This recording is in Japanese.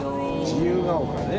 自由が丘ね。